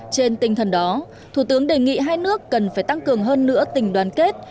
trên tinh thần đó thủ tướng đề nghị hai nước cần phải tăng cường hơn nữa tình đoàn kết